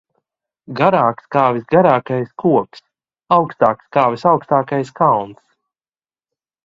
Garāks kā visgarākais koks, augstāks kā visaugstākais kalns.